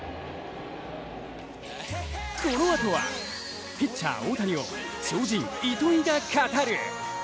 このあとは、ピッチャー大谷を超人・糸井が語る。